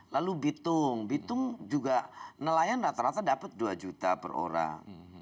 lalu bitung bitung juga nelayan rata rata dapat dua juta per orang